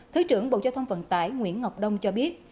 thứ trưởng bộ giao thông vận tải nguyễn ngọc đông cho biết